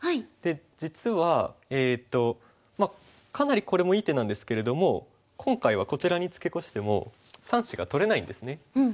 実はえっとかなりこれもいい手なんですけれども今回はこちらにツケコしても３子が取れないんですね。